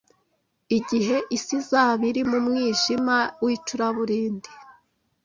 Igihe isi izaba iri mu mwijima w’icuraburindi